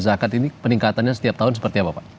zakat ini peningkatannya setiap tahun seperti apa pak